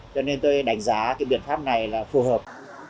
cho nên tôi đánh giá cái biện pháp này là phù hợp